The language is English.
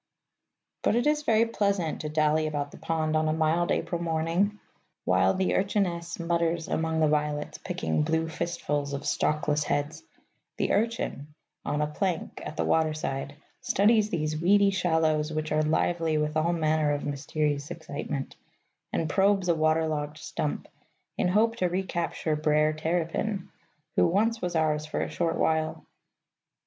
But it is very pleasant to dally about the pond on a mild April morning. While the Urchiness mutters among the violets, picking blue fistfuls of stalkless heads, the Urchin, on a plank at the waterside, studies these weedy shallows which are lively with all manner of mysterious excitement, and probes a waterlogged stump in hope to recapture Brer Tarrypin, who once was ours for a short while.